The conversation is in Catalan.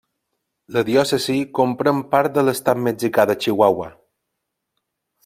La diòcesi comprèn part de l'estat mexicà de Chihuahua.